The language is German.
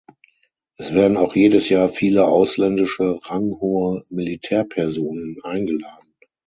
Es werden auch jedes Jahr viele ausländische ranghohe Militärpersonen eingeladen.